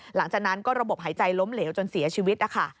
หลังจากนั้นก็ระบบหายใจล้มเหลวจนเสียชีวิตนะคะ